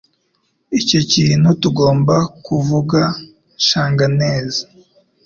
Icyo nikintu utagomba kuvuga. (shanghainese)